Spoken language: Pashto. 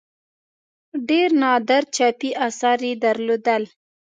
ډېر نادر چاپي آثار یې درلودل.